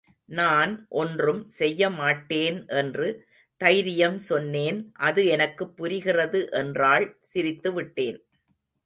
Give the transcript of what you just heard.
நான் ஒன்றும் செய்யமாட்டேன் என்று தைரியம் சொன்னேன், அது எனக்குப் புரிகிறது என்றாள் சிரித்துவிட்டேன்.